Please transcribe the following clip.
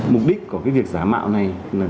mục đích của việc giả mạo này là